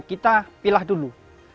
kita pilah dulu